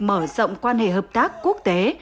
mở rộng quan hệ hợp tác quốc tế